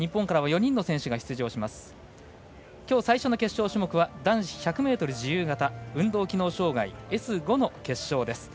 きょう最初の決勝種目は男子１００ｍ自由形運動機能障がい、Ｓ５の決勝です。